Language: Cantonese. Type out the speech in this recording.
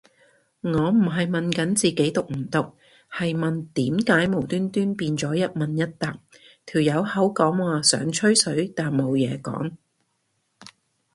我唔係問緊自己毒唔毒，係問點解無端端變咗一問一答，條友口講話想吹水但冇嘢講